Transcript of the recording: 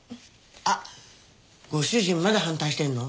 あっご主人まだ反対してるの？